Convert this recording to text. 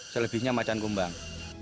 selebihnya macan kumbang